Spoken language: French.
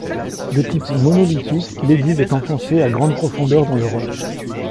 De type monolithique, l'église est enfoncée à grande profondeur dans le roc.